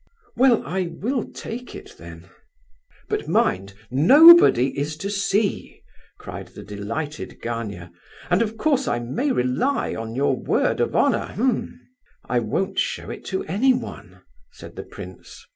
"Well, I will take it then." "But mind, nobody is to see!" cried the delighted Gania "And of course I may rely on your word of honour, eh?" "I won't show it to anyone," said the prince.